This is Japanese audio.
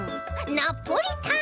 ナポリタン！